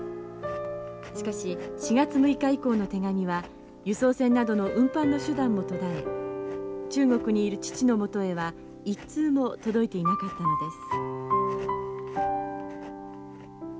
しかし４月６日以降の手紙は輸送船などの運搬の手段も途絶え中国にいる父のもとへは一通も届いていなかったのです。